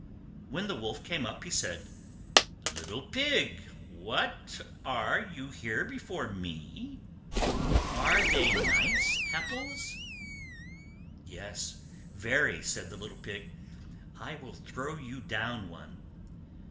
When the Wolf came up he said, "Little Pig, what! are you here before me? Are they nice apples?" "Yes, very," said the little Pig; "I will throw you down one."